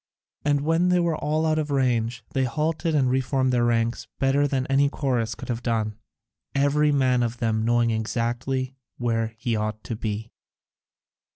And when they were all out of range they halted and reformed their ranks, better than any chorus could have done, every man of them knowing exactly where he ought to be.